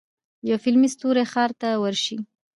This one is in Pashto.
یو فلمي ستوری ښار ته ورشي.